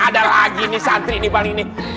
yah ada lagi nih santri ini paling nih